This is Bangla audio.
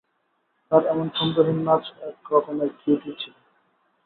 তার এমন ছন্দহীন নাচ এক রকমের কিউটই ছিল।